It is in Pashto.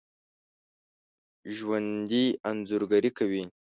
ژوندي انځورګري کوي